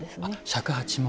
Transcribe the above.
尺八も。